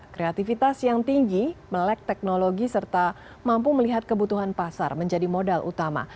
kreativitas yang tinggi melek teknologi serta mampu melihat kebutuhan pasar menjadi modal utama